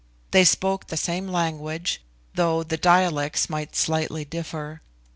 They spoke the same language, though the dialects might slightly differ.